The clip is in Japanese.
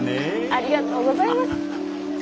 ありがとうございます。